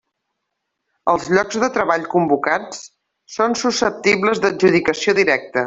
Els llocs de treball convocats són susceptibles d'adjudicació directa.